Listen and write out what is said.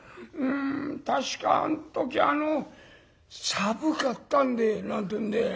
「確かあん時あの寒かったんで」なんていうんで。